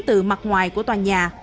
từ mặt ngoài của tòa nhà